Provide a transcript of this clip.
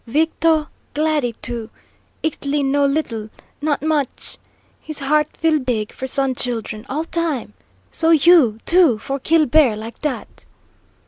Victo, Glady, too. Ixtli know little, not much; his heart feel big for Sun Children, all time. So YOU, too, for kill bear, like dat!"